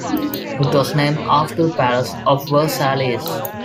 It was named after the Palace of Versailles.